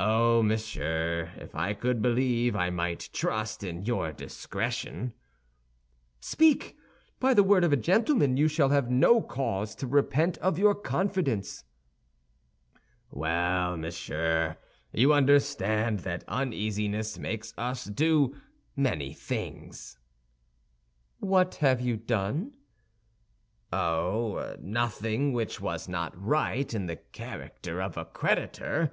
"Oh, monsieur, if I could believe I might trust in your discretion." "Speak! By the word of a gentleman, you shall have no cause to repent of your confidence." "Well, monsieur, you understand that uneasiness makes us do many things." "What have you done?" "Oh, nothing which was not right in the character of a creditor."